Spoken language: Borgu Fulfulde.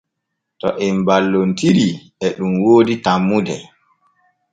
To em balloltiitri e ɗun woodi tanmude.